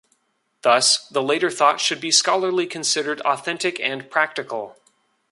Thus, the later thought should be scholarly considered authentic and practical.